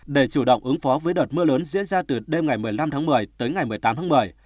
để chủ động ứng phó với đợt mưa lớn diễn ra từ đêm ngày một mươi năm tháng một mươi tới ngày một mươi tám tháng một mươi